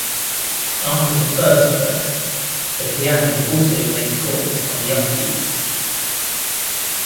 After the first verse, the piano also plays chords on the upbeats.